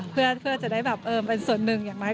เพื่อจะได้เป็นส่วนหนึ่งอย่างไร